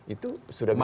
itu sudah bisa